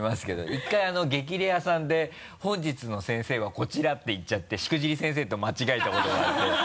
１回「激レアさん」で「本日の先生はこちら」って言っちゃって「しくじり先生」と間違えたことがあって。